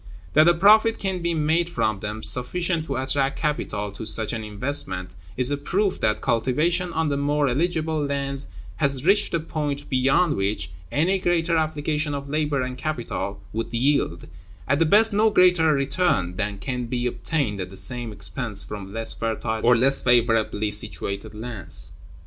That a profit can be made from them, sufficient to attract capital to such an investment, is a proof that cultivation on the more eligible lands has reached a point beyond which any greater application of labor and capital would yield, at the best, no greater return than can be obtained at the same expense from less fertile or less favorably situated lands.